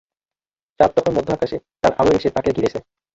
চাঁদ তখন মধ্য-আকাশে, তার আলো এসে তাকে ঘিরেছে।